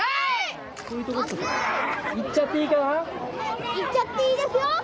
いっちゃっていいですよ！